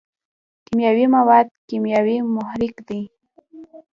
کیمیاوي مواد کیمیاوي محرک دی.